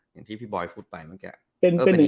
อย่างที่พี่บอยพูดไปเมื่อกี้